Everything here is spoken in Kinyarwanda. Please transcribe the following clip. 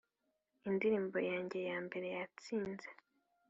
indirimbo yange ya mbere yatsinze